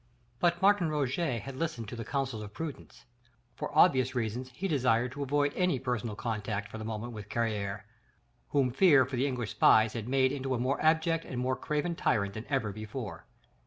But Martin Roget had listened to the counsels of prudence: for obvious reasons he desired to avoid any personal contact for the moment with Carrier, whom fear of the English spies had made into a more abject and more craven tyrant than ever before.